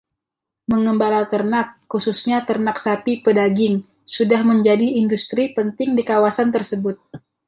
Menggembala ternak, khususnya ternak sapi pedaging, sudah menjadi industri penting di kawasan tersebut.